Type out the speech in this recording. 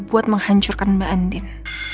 buat menghancurkan mbak andin